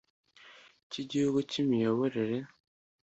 cy igihugu cy imiyoborere